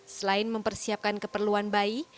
selain mempersiapkan keperluan bayi